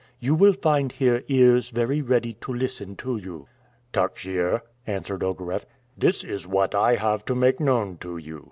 You will find here ears very ready to listen to you." "Takhsir," answered Ogareff, "this is what I have to make known to you."